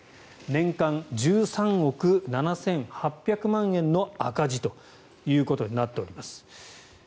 年間１３億７８００万円の赤字ということになっています。